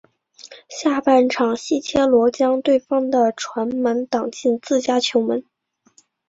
下半场西切罗将对方的传中挡进自家球门。